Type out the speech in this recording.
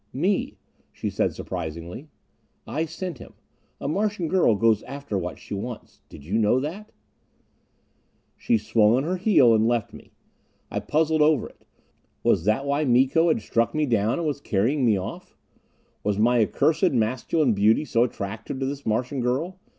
"Me," she said surprisingly. "I sent him. A Martian girl goes after what she wants. Did you know that?" She swung on her heel and left me. I puzzled over it. Was that why Miko had struck me down, and was carrying me off? Was my accursed masculine beauty so attractive to this Martian girl?